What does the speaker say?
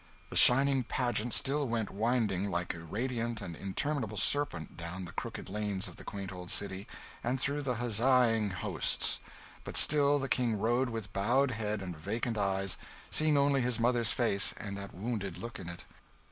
The shining pageant still went winding like a radiant and interminable serpent down the crooked lanes of the quaint old city, and through the huzzaing hosts; but still the King rode with bowed head and vacant eyes, seeing only his mother's face and that wounded look in it.